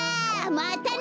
またね！